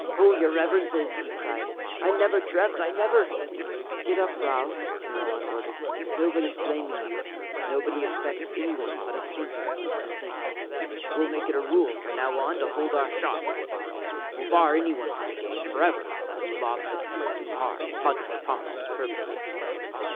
"Oh, Your Reverences," he cried, "I never dreamt I never " "Get up, Gral," Myrwan ordered. "Nobody's blaming you. Nobody expects anyone but a Thinker to Think." "We'll make it a rule from now on to hold our shots. We'll bar anyone from the game forever who lobs a pebble too hard," Hodnuth promised fervently.